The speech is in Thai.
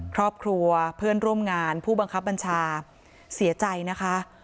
ครอบครัวเพื่อนร่วมงานผู้บังคับบัญชาเสียใจนะคะ